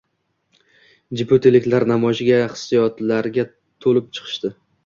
Jibutiliklar namoyishga hissiyotlarga to‘lib chiqishdi.